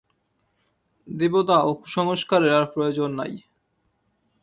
দেবতা ও কুসংস্কারের আর প্রয়োজন নাই।